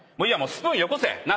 スプーンよこせ。